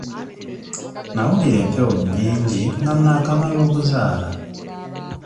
Nawulira empewo nnyingi nga naakamala okuzaala.